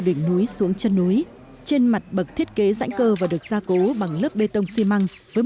đỉnh núi xuống chân núi trên mặt bậc thiết kế rãnh cơ và được gia cố bằng lớp bê tông xi măng với